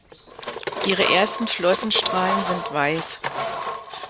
Ihre ersten Flossenstrahlen sind weiß.